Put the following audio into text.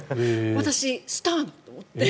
私、スターだと思って。